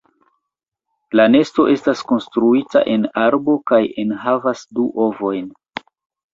La nesto estas konstruita en arbo, kaj enhavas du ovojn.